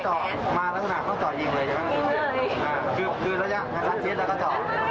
ดื่มหลายกาทเช็ดแล้วก็จอ